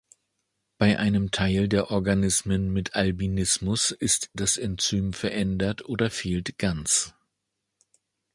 Bei einem Teil der Organismen mit Albinismus ist das Enzym verändert oder fehlt ganz.